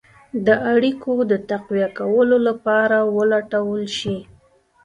د اړېکو د تقویه کولو لپاره ولټول شي.